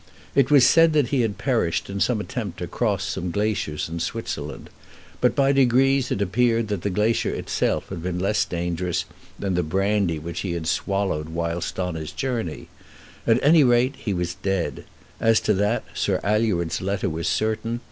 It was said that he had perished in some attempt to cross some glaciers in Switzerland; but by degrees it appeared that the glacier itself had been less dangerous than the brandy which he had swallowed whilst on his journey. At any rate he was dead. As to that Sir Alured's letter was certain.